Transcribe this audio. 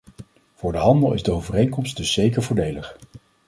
Voor de handel is de overeenkomst dus zeker voordelig.